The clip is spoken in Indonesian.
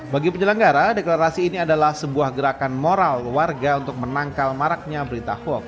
bagi penyelenggara deklarasi ini adalah sebuah gerakan moral warga untuk menangkal maraknya berita hoax